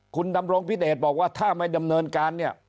คุณดำรงพิเดชบอกว่าถ้าไม่ดำเนินการเนี่ย